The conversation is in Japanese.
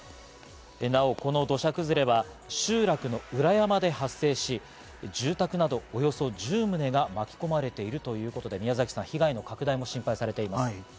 なお、この土砂崩れは集落の裏山で発生し、住宅などおよそ１０棟が巻き込まれているということで宮崎さん、被害の拡大も心配されています。